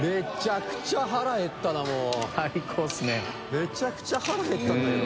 めちゃくちゃ腹減ったんだけど。